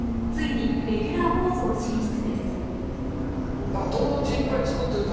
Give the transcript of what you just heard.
ついにレギュラー放送進出です。